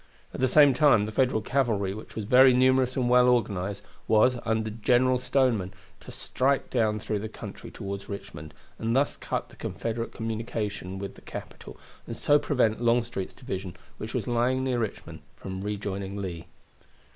At the same time the Federal cavalry, which was very numerous and well organized, was, under General Stoneman, to strike down through the country toward Richmond, and thus cut the Confederate communication with their capital, and so prevent Longstreet's division, which was lying near Richmond, from rejoining Lee.